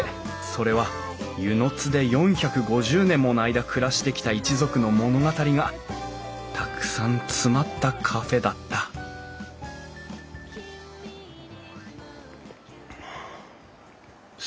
それは温泉津で４５０年もの間暮らしてきた一族の物語がたくさん詰まったカフェだった」はあ。